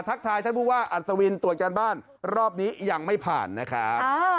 ทักทายท่านผู้ว่าอัศวินตรวจการบ้านรอบนี้ยังไม่ผ่านนะครับ